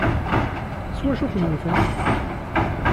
S wacu i ken-wwten?